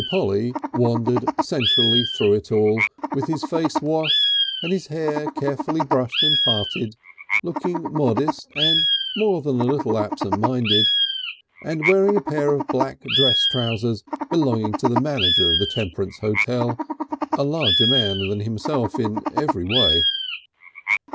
Polly wandered centrally through it all, with his face washed and his hair carefully brushed and parted, looking modest and more than a little absent minded, and wearing a pair of black dress trousers belonging to the manager of the Temperance Hotel, a larger man than himself in every way.